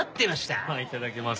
いただきます。